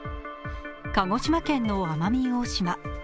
鹿児島県の奄美大島。